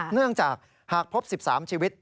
เนื่องจากหากพบ๑๓ชีวิต